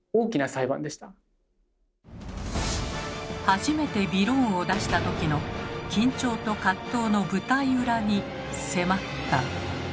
初めてびろーんを出した時の緊張と葛藤の舞台裏に迫った。